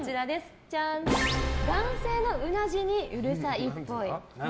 男性のうなじにうるさいっぽい。